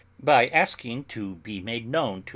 By asking to be made known to M.